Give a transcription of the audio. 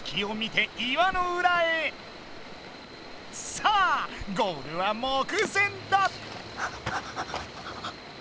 さあゴールは目前だ！